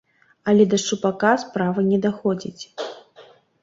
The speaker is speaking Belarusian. Але да шчупака справа не даходзіць.